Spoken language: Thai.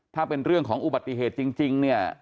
ถ้าเป็นเรื่องของอุบัติเหตุจริงเนี่ย